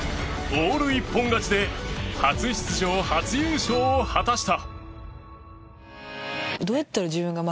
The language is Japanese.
オール一本勝ちで初出場初優勝を果たした。